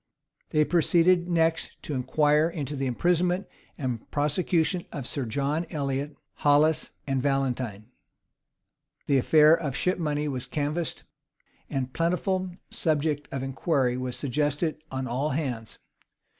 They proceeded next to inquire into the imprisonment and prosecution of Sir John Elliot, Hollis, and Valentine:[] the affair of ship money was canvassed: and plentiful subject of inquiry was suggested on all hands.